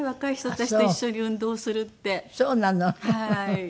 はい。